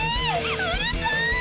うるさい！